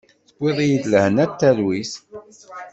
Tewwiḍ-iyi-d lehna talwit.